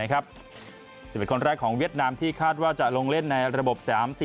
๑๑คนแรกของเวียดนามที่คาดว่าจะลงเล่นในระบบ๓๔